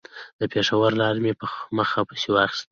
د پېښور لاره مې په مخه پسې واخيسته.